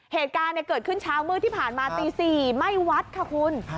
เหตุการณ์เกิดขึ้นเช้ามืดที่ผ่านมาตี๔ไม่วัดค่ะคุณ